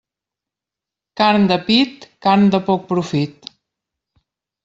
Carn de pit, carn de poc profit.